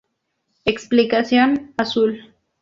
Explicación: Azul.